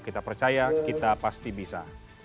kita percaya kita pasti bisa